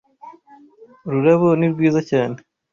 Ururabo ni rwiza cyane.